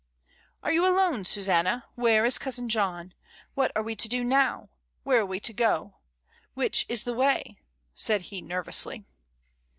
"Are you alone, Susanna? where is cousin John? what are we to do now? where are we to go? which is the way?" said he nervously.